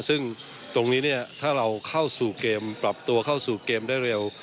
ซึ่งตรงนี้เนี่ยถ้าเราเข้าสู่เกมปรับตัวเข้าสู่เกมได้เร็ว